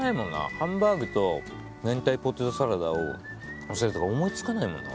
ハンバーグと明太ポテトサラダをのせるとか思いつかないもんな俺。